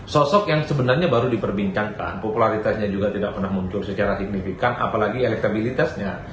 sosok yang sebenarnya baru diperbincangkan popularitasnya juga tidak pernah muncul secara signifikan apalagi elektabilitasnya